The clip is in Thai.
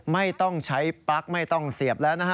ไม่ต้องใช้ปั๊กไม่ต้องเสียบแล้วนะฮะ